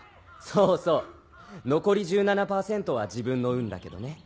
そうそう残り１７％は自分の運だけどね。